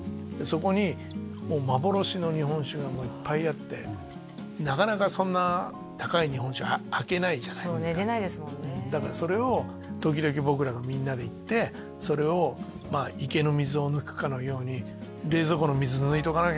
そこにもう幻の日本酒がいっぱいあってなかなかそんな高い日本酒開けないじゃないですかだからそれを時々僕らがみんなで行ってそれを池の水を抜くかのようにへえすごい一番いいですね